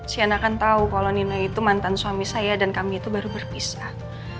sienna kan tau kalau nino itu mantan suami saya dan kami itu baru berpisah